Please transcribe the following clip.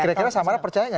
kira kira sama lah percayanya